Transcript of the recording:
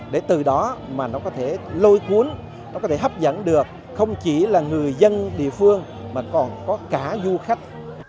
để từ đó mà nó có thể lôi cuốn nó có thể hấp dẫn được không chỉ là người dân địa phương mà còn có cả du khách